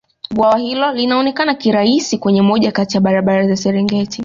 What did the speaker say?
bwawa hilo linaonekana kirahisi kwenye moja Kati ya barabara za serengeti